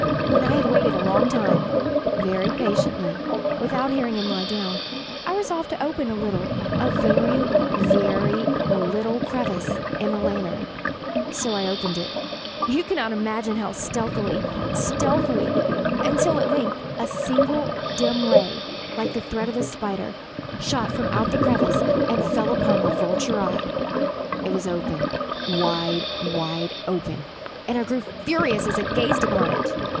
When I had waited a long time, very patiently, without hearing him lie down, I resolved to open a little a very, very little crevice in the lantern. So I opened it you cannot imagine how stealthily, stealthily until, at length a simple dim ray, like the thread of the spider, shot from out the crevice and fell full upon the vulture eye. It was open wide, wide open and I grew furious as I gazed upon it.